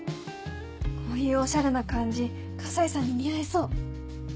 こういうオシャレな感じ河西さんに似合いそう。